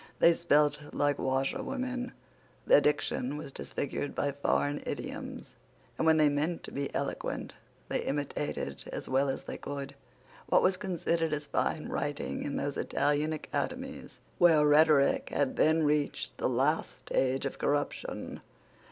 They spelt like washerwomen. Their diction was disfigured by foreign idioms; and, when they meant to be eloquent, they imitated, as well as they could, what was considered as fine writing in those Italian academies where rhetoric had then reached the last stage of corruption.